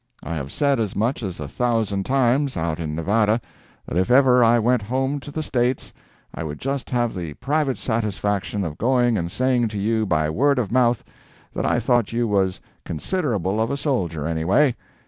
I have said as much as a thousand times, out in Nevada, that if ever I went home to the States I would just have the private satisfaction of going and saying to you by word of mouth that I thought you was considerable of a soldier, anyway.